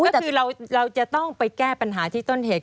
คือเราจะต้องไปแก้ปัญหาที่ต้นเหตุ